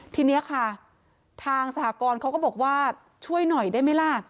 ทีนี้ค่ะทางสหกรณ์เขาก็บอกว่าช่วยหน่อยได้ไหมล่ะ